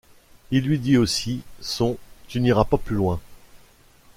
Il dit lui aussi son Tu n’iras pas plus loin.